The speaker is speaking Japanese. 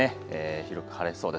広く晴れそうです。